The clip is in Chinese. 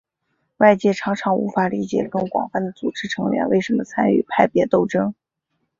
外界常常无法理解更广泛的组织成员为什么参与派别斗争。